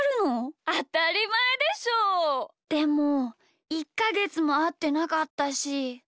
でもいっかげつもあってなかったし。